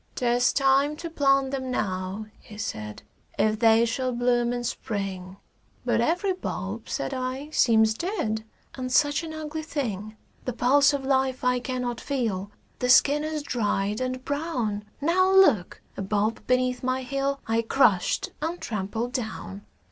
"'Tis time to plant them now," he said, "If they shall bloom in Spring"; "But every bulb," said I, "seems dead, And such an ugly thing." "The pulse of life I cannot feel, The skin is dried and brown. Now look!" a bulb beneath my heel I crushed and trampled down.